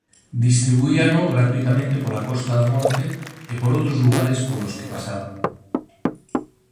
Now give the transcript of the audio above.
Distribuíano gratuitamente pola Costa da Morte e por outros lugares polos que pasaban.